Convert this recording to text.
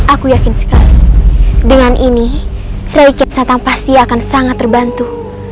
aku yakin sekali dengan ini richard datang pasti akan sangat terbantu